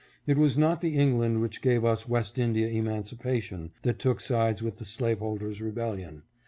It was not the England which gave us West India emancipation that took sides with the slaveholder's rebellion.